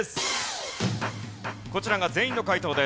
こちらが全員の解答です。